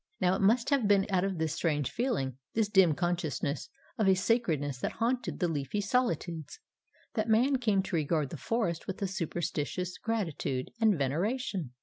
Now it must have been out of this strange feeling this dim consciousness of a sacredness that haunted the leafy solitudes that Man came to regard the forest with superstitious gratitude and veneration.